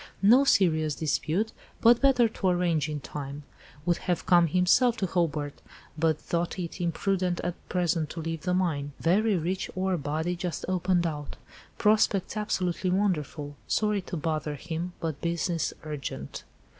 No serious dispute, but better to arrange in time. Would have come himself to Hobart, but thought it imprudent at present to leave the mine. Very rich ore body just opened out. Prospects absolutely wonderful. Sorry to bother him, but business urgent."